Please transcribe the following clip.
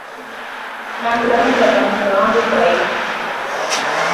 Namlaumu baba mkwe wangu kwa hili